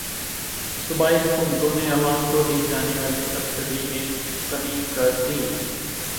صوبائی حکومتوں نے عوام کو دی جانے والی سبسڈی میں کمی کردی